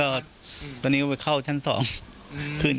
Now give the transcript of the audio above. ป้าอันนาบอกว่าตอนนี้ยังขวัญเสียค่ะไม่พร้อมจะให้ข้อมูลอะไรกับนักข่าวนะคะ